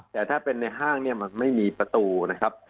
แต่ถ้าเป็นในห้างเนี่ยมันไม่มีประตูนะครับ